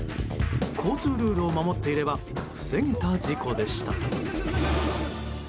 交通ルールを守っていれば防げた事故でした。